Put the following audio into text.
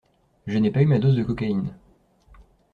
J'ai pas eu ma dose de cocaïne.